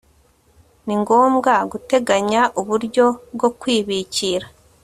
Ni ngombwa guteganya uburyo bwo kwibikira